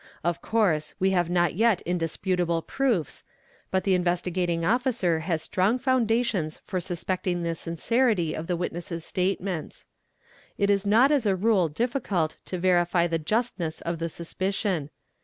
Of course, we have not yet undisputable proofs, but the Investigating Officer has strong foundations for suspecting the sincerity of the witness's statements. It is not as a rule difficult to verify the : justness of the suspicion.